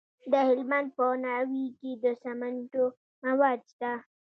د هلمند په ناوې کې د سمنټو مواد شته.